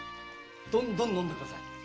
どんどん飲んでください。